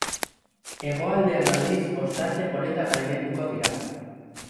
Hegoaldean aldiz, ostarte politak gailenduko dira.